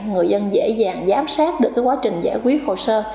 người dân dễ dàng giám sát được quá trình giải quyết hồ sơ